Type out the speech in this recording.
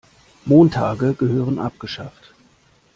Montage gehören abgeschafft.